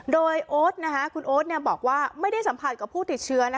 โดยโอ๊ตคุณโอ๊ตบอกว่าไม่ได้สัมผัสกับผู้ติดเชื้อ